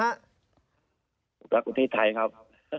รักกับพี่ไทยครับ